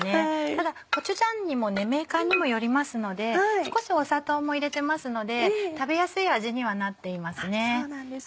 ただコチュジャンにもねメーカーにもよりますので少し砂糖も入れてますので食べやすい味にはなっていますね。